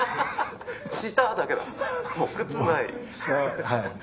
「下」だけもう「靴」ない。